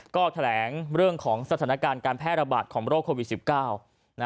ก็แถลงเรื่องของสถานการณ์การแพร่ระบาดของโรคโควิด๑๙